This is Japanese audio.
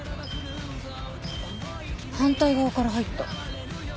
反対側から入った。